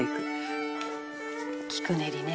「菊練りね」